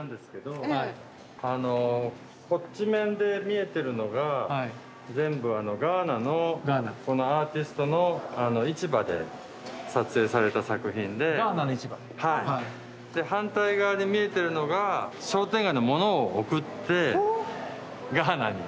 あのこっち面で見えてるのが全部ガーナのアーティストの市場で撮影された作品で反対側に見えてるのが商店街の物を送ってガーナに。